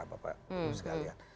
terima kasih sekalian